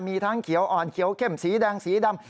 มีทั้งเขียวอ่อนเขียวเข้มสีแดงสีดำ